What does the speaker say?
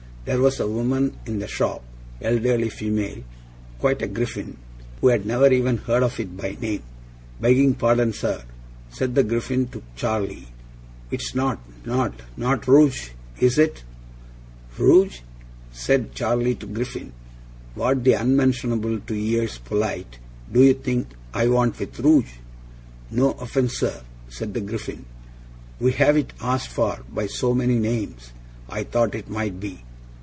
There was a woman in the shop elderly female quite a Griffin who had never even heard of it by name. "Begging pardon, sir," said the Griffin to Charley, "it's not not not ROUGE, is it?" "Rouge," said Charley to the Griffin. "What the unmentionable to ears polite, do you think I want with rouge?" "No offence, sir," said the Griffin; "we have it asked for by so many names, I thought it might be."